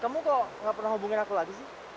kamu kok gak pernah hubungin aku lagi sih